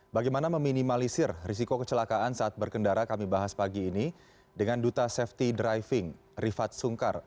bagaimana meminimalisir risiko kecelakaan saat berkendara kami bahas pagi ini dengan duta safety driving rifat sungkar